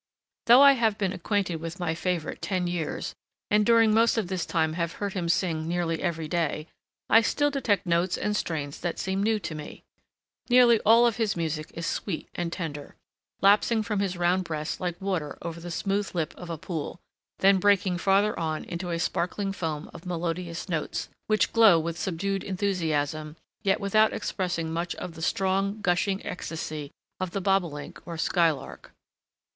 Though I have been acquainted with my favorite ten years, and during most of this time have heard him sing nearly every day, I still detect notes and strains that seem new to me. Nearly all of his music is sweet and tender, lapsing from his round breast like water over the smooth lip of a pool, then breaking farther on into a sparkling foam of melodious notes, which, glow with subdued enthusiasm, yet without expressing much of the strong, gushing ecstasy of the bobolink or skylark.